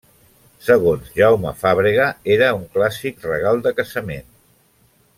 Segons Jaume Fàbrega, era un clàssic regal de casament.